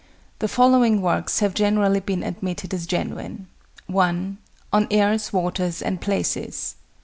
The following works have generally been admitted as genuine: 1. On Airs, Waters, and Places.